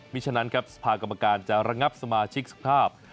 ฉะนั้นครับสภากรรมการจะระงับสมาชิกสภาพ